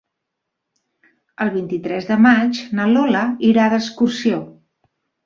El vint-i-tres de maig na Lola irà d'excursió.